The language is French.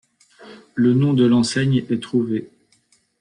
Le nom de l'enseigne est trouvé.